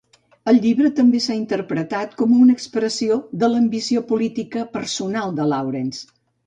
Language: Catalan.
El llibre també s'ha interpretat com una expressió de l'ambició política personal de Lawrence.